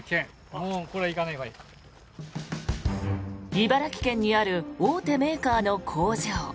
茨城県にある大手メーカーの工場。